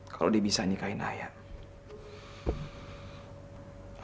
kalau dia bisa nikahin ayah